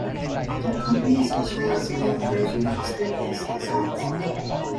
The company specializes in frozen custard-based deserts.